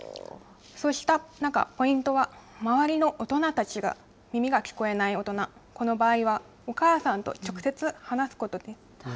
そうした中、ポイントは、周りの大人たちが耳が聞こえない大人、この場合はお母さんと直接話すことです。